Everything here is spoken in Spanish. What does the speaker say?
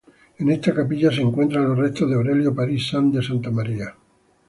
En esta capilla se encuentran los restos de Aurelio París Sanz de Santamaría.